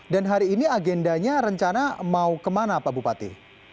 dan hari ini agendanya rencana mau kemana pak bupati